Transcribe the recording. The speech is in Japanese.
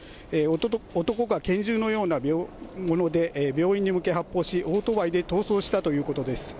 男が拳銃のようなもので、病院に向け発砲し、オートバイで逃走したということです。